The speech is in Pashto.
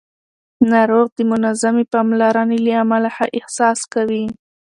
ناروغ د منظمې پاملرنې له امله ښه احساس کوي